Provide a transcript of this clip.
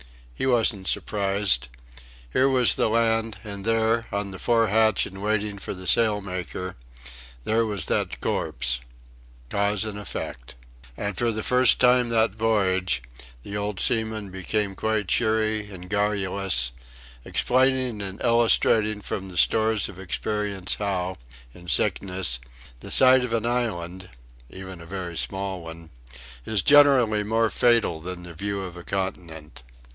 He wasn't surprised. Here was the land, and there, on the fore hatch and waiting for the sailmaker there was that corpse. Cause and effect. And for the first time that voyage, the old seaman became quite cheery and garrulous, explaining and illustrating from the stores of experience how, in sickness, the sight of an island (even a very small one) is generally more fatal than the view of a continent.